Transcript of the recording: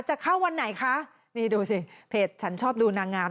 จะเข้าวันไหนคะนี่ดูสิเพจฉันชอบดูนางงาม